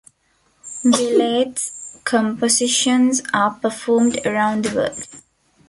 Villette's compositions are performed around the world.